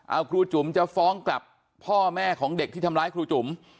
เอาครูจุ๋มจะฟ้องกลับพ่อแม่ของเด็กที่ทำร้ายครูจุ๋ม